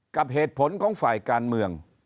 กับเหตุผลของฝ่ายการเมือง